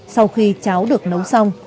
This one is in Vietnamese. sau khi cháo được nấu xong